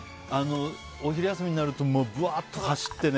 お昼休みになるとぶわーっと走ってね。